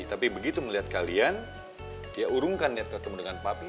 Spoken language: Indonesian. tapi begitu melihat kalian dia urungkan dia ketemu dengan papi